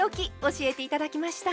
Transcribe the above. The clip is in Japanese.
教えて頂きました。